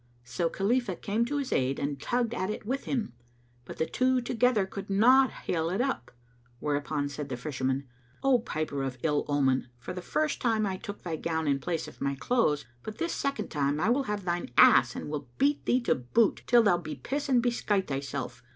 So Khalifah came to his aid and tugged at it with him; but the two together could not hale it up: whereupon said the fisherman, "O piper of ill omen, for the first time I took thy gown in place of my clothes; but this second time I will have thine ass and will beat thee to boot, till thou bepiss and beskite thyself!